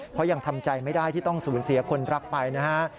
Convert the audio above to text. เพราะยังทำใจไม่ได้ที่ต้องสูญเสียคนรักไปนะฮะ